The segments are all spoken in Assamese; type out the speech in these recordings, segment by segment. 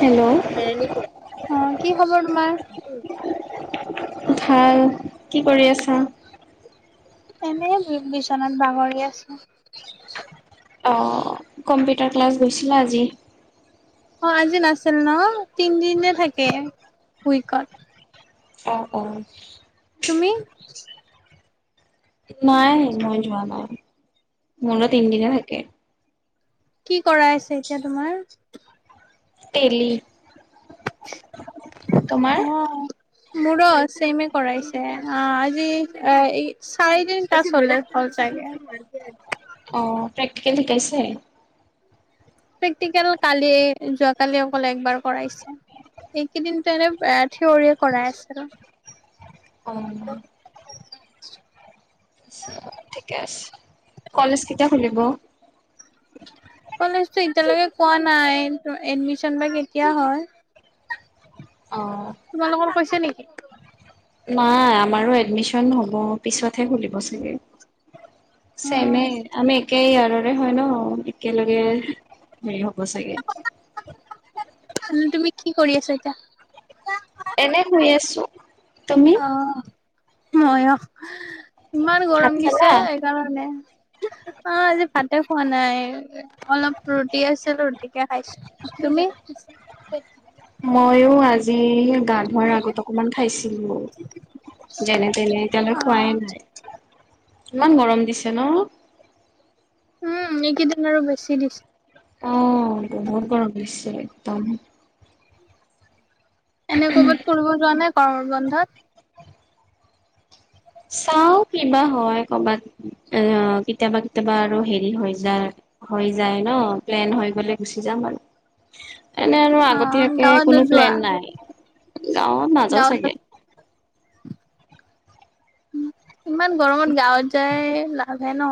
হেল্ল' অ', কি খবৰ তোমাৰ? ভাল। কি কৰি আছা? এনেই বিচনাত বাগৰি আছো। অ', কম্পিউটাৰ ক্লাছ গৈছিলা আজি? অ', আজি নাছিল ন, তিনিদিনে থাকে উইকত। অ' অ'। তুমি? নাই, মই যোৱা নাই। মোৰো তিনদিনে থাকে। কি কৰাই আছে, এতিয়া তোমাৰ? তেলি। অ তোমাৰ? মোৰো চেমে কৰাইছে। অ' আজি অ এই চাৰিদিন ক্লাছ চলে [unintelligible] অ', প্ৰেক্টিকেল শিকাইছে? প্ৰেক্টিকেল কালি যোৱাকালি অকল একবাৰ কৰাইছে। এইকেইদিনটো এনে থিয়ৰি কৰাই আছে আৰু। অ। আচ্ছা ঠিকে আছে। কলেজ কেতিয়া খুলিব? কলেজটো এতিয়ালৈকে কোৱা নাই, এডমিচন বা কেতিয়া হয়? অ। তোমালোকৰ কৈছে নেকি? নাই আমাৰো এডমিচন হ'ব পিছতহে খুলিব চাগে। অ চেমেই আমি একেই ইয়াৰৰে হয় ন একেলগে হেৰি হ'ব চাগে। উম তুমি কি কৰি আছা এতিয়া? এনে শুই আছো। তুমি? অ মইও, ইমান ভাত গৰম দিছে। খালা [unintelligible] আ আজি ভাতে খোৱা নাই অলপ ৰুটি আছিল ৰুটিকে খাইছো। তুমি? মইও আজি ভাত মই আগত অকমান খাইছিলো যেনে তেনে এতিয়ালৈ অ খোৱাই নাই। ইমান গৰম দিছে ন? উম এইকেইদিন আৰু বেছি দিছে। অ বহুত গৰম দিছে একদম। এনে কৰবাত ফুৰিব যোৱা নাই গৰম বন্ধত? চাও কিবা হয় কৰ'বাত এ কেতিয়াবা কেতিয়াবা আৰু হেৰি হৈ যায় হৈ যায় ন, প্লেন হৈ গ'লে গুচি যাম আৰু। এনে আৰু অ আগতীয়াকে গাঁৱত কোনো নোযোৱা প্লেন নাই, গাঁৱত নাযাও গাঁৱত চাগে। উম ইমান গৰমত গাঁৱত যায় লা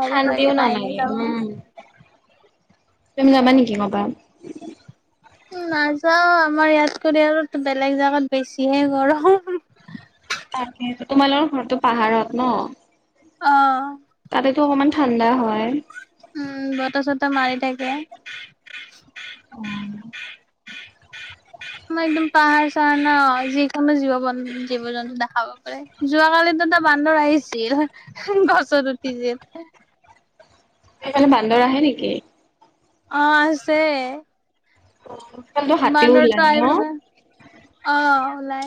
শান্তিও নালাগে উম, তুমি যাবা নেকি কবাত? নাযাও আমাৰ ইয়াতকৰি আৰু বেলেগ জাগাত বেছিহে গৰম। তাকেটো তোমালোকৰ ঘৰটো পাহাৰত ন? অঁ। তাতেতো অকমান ঠাণ্ডা হয়। উম বতাহ চতাহ মাৰি থাকে। উম। আমাৰ একদম পাহাৰ চাহাৰ ন যিকোনো জীৱ জীৱ জন্তু দেখা পাব পাৰে। যোৱাকালিতোটো বান্দৰ আহিছিল গছত উঠিছিল সেফালে বান্দৰ আহে নেকি? অ আছে অ সেফালটো হাতীও বান্দৰটো ওলাই আহি ন পেলাই অ ওলাই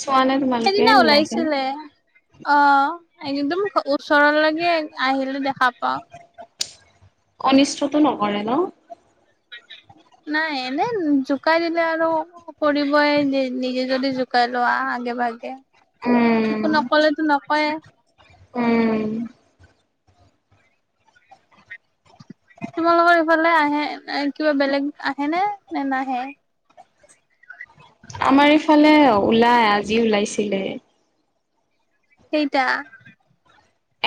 চোৱানে তোমালো সেইদিনা ওলাইছিলে অ একদম ওচৰলৈকে আহিলে দেখা পাও অনিষ্টটো নকৰে ন নাই এনে জোকাই দিলে আৰু কৰিবই নিজে যদি জোকাই লোৱা আগে ভাগে উম, একো নকলেটো নকয়ে উম তোমালোকৰ ইফালে আহে কিবা বেলেগ আহে নে নে নাহে? আমাৰ ইফালে ওলাই আজি ওলাইছিলে কেইটা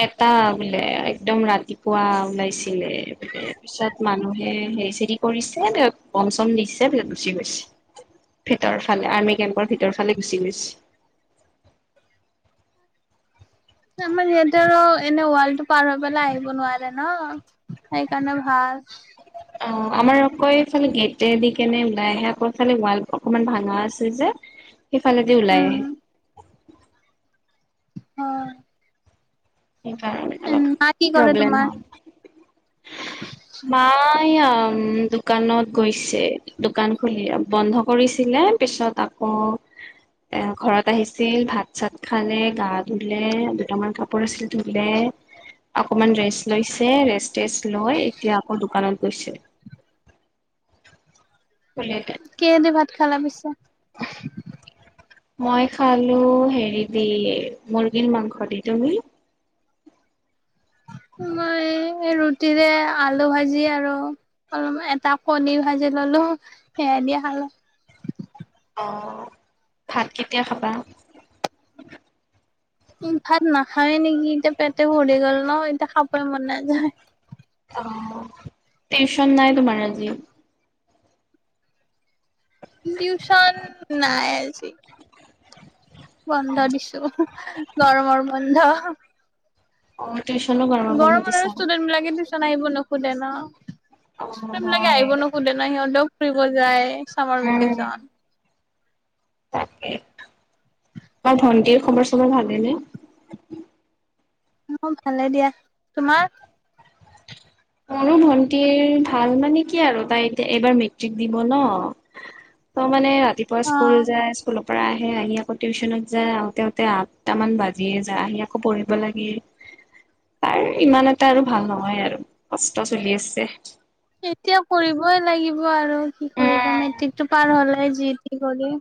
এটা বোলে একদম ৰাতিপুৱা ওলাইছিলে বোলে পিছত মানুহে হে চেৰি কৰিছে বম চম দিছে গুচি গৈছে ভিতৰ ফালে আৰ্মি কেম্পৰ ভিতৰ ফালে গুচি গৈছি আমাৰ ইয়াতে আৰু এনে ৱৰ্ল্ডটো পাৰ হৈ পেলাই আহিব নোৱাৰে ন সেইকাৰণে ভাল অ আমাৰ অকৌ এইফালে গেটে দি কেনে ওলাই আহে আকৌ এইফালে ৱাল অকমান ভাঙা আছে যে সেইফালেদি ওলাই উম আহে অ সেইকাৰণে অলপ মা কি কৰে প্ৰব্লেম তোমাৰ? হল বা এয়া দোকানত গৈছে দোকান খুলি বন্ধ কৰিছিলে পিছত আকৌ অঁ এ ঘৰত আহিছিল ভাত চাত খালে গা ধোলে দুটামান কাপোৰ আছিল দে অকমান ৰেষ্ট লৈছে ৰেষ্ট টেষ্ট লৈ এতিয়া আকৌ দোকানত গৈছে খোলিলে কিহে দি ভাত খালা পিছে মই খালো হেৰি দি মুৰ্গীৰ মাংস দি তুমি? মই ৰুটিৰে আলু ভাজি আৰু অলপ এটা কণী ভাজি ললো সেয়াই দি খালো অ ভাত কেতিয়া খাবা ভাত নাখাওয়ে নেকি এতিয়া পেটে ভৰি গল ন এতিয়া খাবই মন নাযায় অ টিউচন নাই তোমাৰ আজি টিউচন নাই আজি বন্ধ দিছো গৰমৰ বন্ধ অ টিউচনো ব গৰম মৰে ষ্টুডেণ্টবাকে দি আহিব নোখোধে ন অ' স্টুডেন বিলাকে হয়। আহিব নোখোধে ন সিহঁতেও ফুৰিব যায় চামাৰ উম ভেকেচন তাকে তোমাৰ ভন্টিৰ খবৰ চবৰ ভালে নে অ ভালে দিয়া তোমাৰ? মোৰো ভন্টিৰ ভাল মানে কি আৰু তাই এতিয়া এইবাৰ মেট্ৰিক দিব ন। ত', মানে ৰাতিপুৱা অ স্কুল যাই স্কুলত পৰা আহে, আহি আকৌ টিউচনত যায়, আহোতে আহোতে আঠটামান বাজিয়ে যায়, আহি আকৌ পঢ়িব লাগে। তাৰ ইমান এটা আৰু ভাল নহয় আৰু কষ্ট চলি আছে। এতিয়া কৰিবই লাগিব আৰু কি কৰিবা, উম মেট্ৰিকটো পাৰ হ'লে যি টি কৰি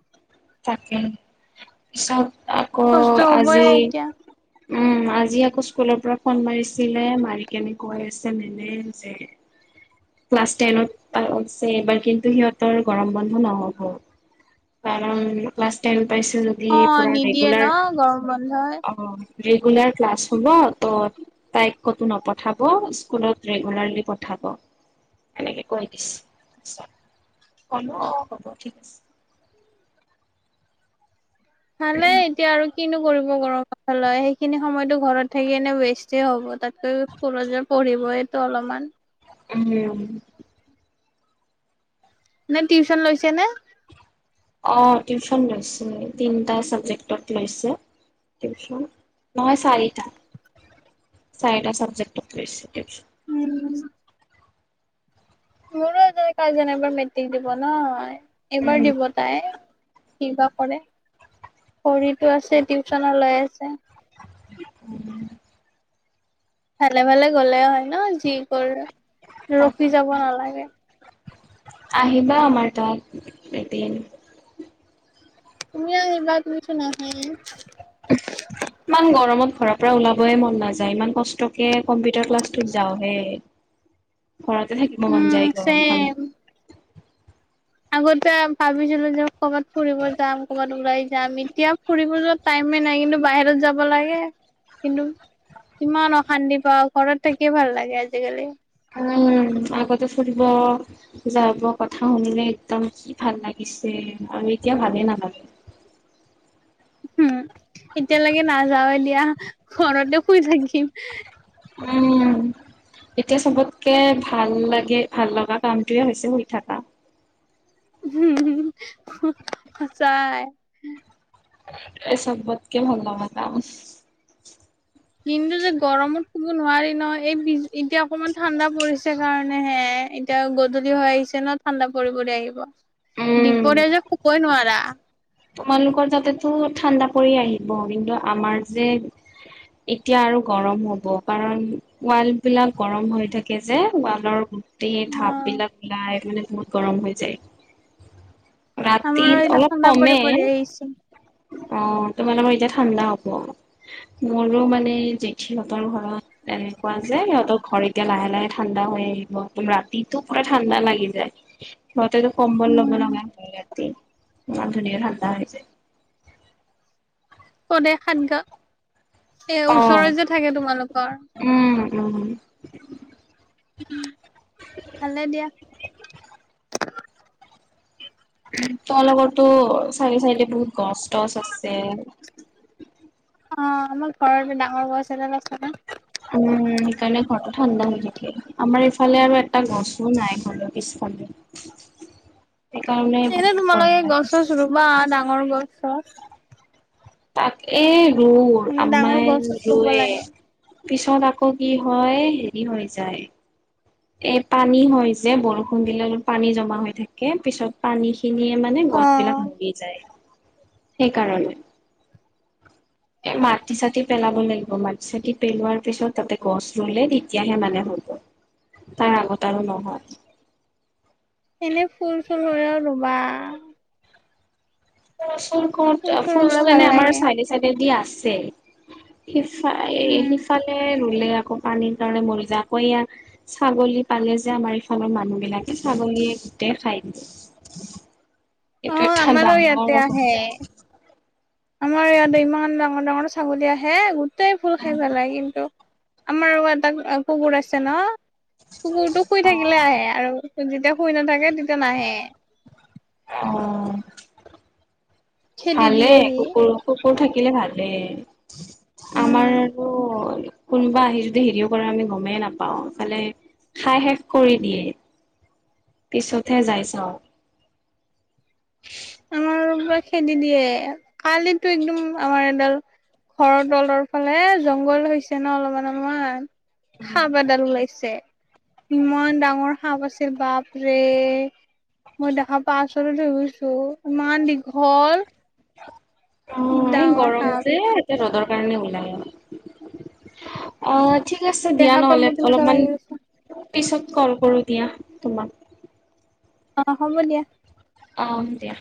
তাকে, পিছত আকৌ কষ্ট হবয়ে আজি এতিয়া উম। আজি আকৌ স্কুলৰ পৰা ফোন মাৰিছিলে, মাৰি কেনে কৈ আছে মানে যে ক্লাছ টেনত [unintelligible] এইবাৰ কিন্তু সিহঁতৰ গৰম বন্ধ নহ'ব। কাৰণ ক্লাছ টেন পাইছে যদি অ পুৰা নিদিয়ে ন ৰেগুলাৰ, গৰম বন্ধই অ'। ৰেগুলাৰ ক্লাছ হ'ব ত' তাইক ক'তো নপঠাব, স্কুলত ৰেগুলাৰলি পঠাব। এনেকে কৈ দিছ, কলো অ', হ'ব ঠিক আছে। [inaudible] ভালে এতিয়া আৰু কিনো কৰিব [unintelligible] সেইখিনি সময়তো ঘৰত থাকি এনে ৱেষ্টেই হ'ব তাতকৈ [unintelligible] পঢ়িবইটো অলপমান। উম। নে টিউচন লৈছে নে? অ', টিউচন লৈছে, তিনটা চাবজেক্টত লৈছে। টিউচন, নহয় চাৰিটা। চাৰিটা চাবজেক্টত লৈছে টিউছন। উম। মোৰো এজন কাজিন এইবাৰ মেট্ৰিক দিব ন', এইবাৰ উম, দিব। তাই কিবা কৰে, পঢ়িটো আছে টিউচনো লৈ আছে। [inaudible] ভালে-ভালে গলে হয় ন', যি কৰে ৰখি যাব নালাগে। আহিবা আমাৰ তাত, এদিন। তুমিও আহিবা, তুমিচোন নাহায়ে। ইমাম গৰমত ঘৰৰ পৰা ওলাবই মন নাযায়, ইমান কষ্ট [unintelligible] কম্পিউটাৰ ক্লাছটোত যাওঁহে, ঘৰতে থাকিব মন উম যায় চেম গৰমখনত। আগতে ভাবিছিলো যে ক'ৰবাত ফুৰিব যাম কৰ'বাত ওলাই যাম, এতিয়া ফুৰিব যোৱাত টাইমেই নাই কিন্তু বাহিৰত যাব লাগে কিন্তু ইমান অশান্তি পাওঁ, ঘৰত থাকিয়ে ভাল লাগে আজিকালি। উম, আগতে ফুৰিব যাব কথা শুনিলে একদম কি ভাল লাগিছে আৰু এতিয়া ভালে নালাগে। উম, এতিয়া লাগে নাযাও এ দিয়া, ঘৰতে শুই থাকিম। উম। এতিয়া চবতকে ভাল লাগে, ভাল লাগা কামটোয়ে হৈছে শুই থকা। সঁচাই। এ চবতকে ভাল লগা কাম। দিনটোযে গৰমত শুব নোৱাৰি নহয়, এই [unintelligible] এতিয়া অকমান ঠাণ্ডা পৰিছে কাৰণেহে। এতিয়া গধূলি হৈ আহিছে নহয় ঠাণ্ডা পৰি-পৰি আহিব, উম। দীপৰিয়া যে শুবই নোৱাৰা। তোমালোকৰ তাতেতো ঠাণ্ডা পৰি আহিব কিন্তু আমাৰ যে এতিয়া আৰু গৰম হ'ব কাৰণ ৱাল বিলাক গৰম হৈ থাকে যে, ৱালৰ গোটেই অ ভাপ বিলাক ওলাই মানে বহুত গৰম হৈ যায়। আমাৰো ৰাতিত এতিয়া অলপ ঠাণ্ডা কমে পৰি পৰি আহিছে অঁ তোমালোকৰ এতিয়া ঠাণ্ডা হ'ব। মোৰো মানে জেঠীহঁতৰ ঘৰত তেনেকুৱা যে সিহঁতৰ ঘৰ এতিয়া লাহে-লাহে ঠাণ্ডা হৈ আহিব। একদম ৰাতিটো পুৰা ঠাণ্ডা লাগি যায়। সিহঁতেতো কম্বল ল'ব উম লগা হয় ৰাতি। ইমান ধুনীয়া ঠাণ্ডা হৈ যায়। সদায় সাতগাও এ, ওচৰত যে থাকে তোমালোকৰ? উম-উম! উম! ভালে দিয়া। উম! তাৰ লগতো চাইডে-চাইডে বহুত গছ-টছ আছে। অঁ! আমাৰ ঘৰতো ডাঙৰ গছ এদাল আছে নহয়। [inaudible] উম! সেইকাৰণে ঘৰতো ঠাণ্ডা হৈ থাকে। আমাৰ ইফালে আৰু এটা গছো নাই ঘৰৰ পিছফালে। [unintelligible] সেইকাৰণে বহুত গৰম লাগে। বা ডাঙৰ গছ-চছ। তাকে দূৰ মানে ডাঙৰ গছ আম্মায়ে চছ ৰুব ৰুৱে। লাগে পিছত আকৌ কি হয় হেৰি হৈ যায়। এই পানী হয় যে বৰষুণ দিলে অলপ পানী জমা হৈ থাকে পিছত। পানীখিনিয়ে মানে অ গছবিলাক মৰি যায় সেইকাৰণে। এ মাটি-চাটি পেলাব লাগিব, মাটি-চাটি পেলোৱাৰ পিছত তাতে গছ ৰুলে তেতিয়াহে মানে হ'ব। তাৰ আগত আৰু নহয়। এনেই ফুল-চুল হ'লেও ৰুবা। ফুল-চুল ক'ত ফুল চুল ৰুলে ফুল-চুল ভাল এনেই আমাৰ লাগে চাইডে-চাইডেদি আছে। সিফা এ উম সিফালে ৰুলে আকৌ পানীৰ কাৰণে মৰি যায় আকৌ ইয়া ছাগলী পালে যে আমাৰ ইফালৰ মানুহ বিলাকে ছাগলীয়ে গোটেই খাই দিলে। অ এইটো এটা আমাৰো ইয়াতে ডাঙৰ আহে সমস্যা। আমাৰ ইয়াতে ইমান ডাঙৰ-ডাঙৰ ছাগলী আহে, গোটেই ফুল খাই পেলাই কিন্তু আমাৰ এটা কুকুৰ আছে ন। কুকুৰটো শুই থাকিলে আহে আৰু। যেতিয়া শুই নাথাকে তেতিয়া নাহে। অঁ! খেদি ভালে দিয়েহি কুকুৰো। কুকুৰ থাকিলে ভালেই। উম আমাৰো কোনোবা আহি যদি হেৰিও কৰে আমি নাপাওঁ, ইফালে খাই শেষ কৰি দিয়ে। পিছতহে যাই চাওঁ। [unintelligible] [unintelligible] পৰা খেদি দিয়ে। কালিতো একদম আমাৰ এডাল ঘৰৰ তলৰ ফালে জংঘল হৈছে ন অলপমান-অলপমান সাপ এডাল ওলাইছে। ইমান ডাঙৰ সাপ আছিল বাপৰে। মই দেখা পাইছোঁ আচলতে ৰুইছো ইমান দীঘল। উম! এই ডাঙৰ গৰম সাপ, যে এতিয়া ৰ'দৰ কাৰণে ওলায়। অঁ! ঠিক আছে এই দিয়া সাপে নহ'লে, মোক কেনেকুৱা অলপমান লাগি আছে, পিছত কল কৰোঁ দিয়া তোমাক। অঁ! হ'ব দিয়া। অঁ! দিয়া।